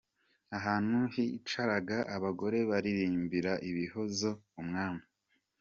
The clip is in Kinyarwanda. Ahantu hicaraga abagore baririmbira Ibihozo Umwami.